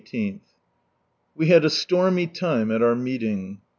— We had a stonny time at our meeting.